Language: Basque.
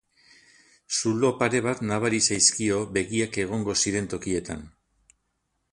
Zulo pare bat nabari zaizkio begiak egongo ziren tokietan.